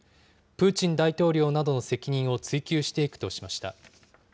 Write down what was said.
プーチン大統領などの責任を追及していくとしました。